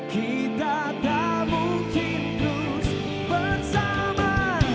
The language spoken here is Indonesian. kita tak mungkin terus bersama